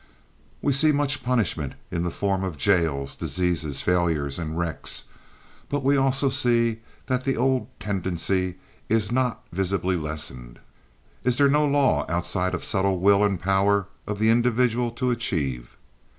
We see much punishment in the form of jails, diseases, failures, and wrecks; but we also see that the old tendency is not visibly lessened. Is there no law outside of the subtle will and power of the individual to achieve?